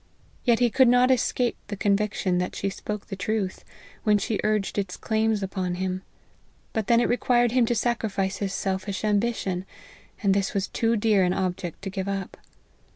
Yet he could not escape the conviction that she spoke the truth, when she urged its claims upon him ; but then it required him to sacrifice his selfish ambition, and this was too dear an object to give up.